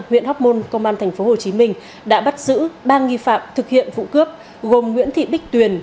huyện hóc môn công an tp hcm đã bắt giữ ba nghi phạm thực hiện vụ cướp gồm nguyễn thị bích tuyền